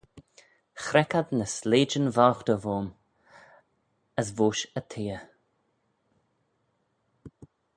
Chreck ad ny sleityn voghtey voym as voish y theay.